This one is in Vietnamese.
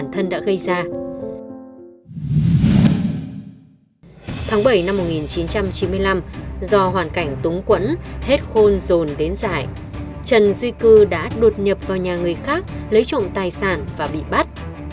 tháng bảy năm một nghìn chín trăm chín mươi năm do hoàn cảnh tống quẫn hết khôn rồn đến giải trần duy cư đã đột nhập vào nhà người khác lấy trộm tài sản và bị bắt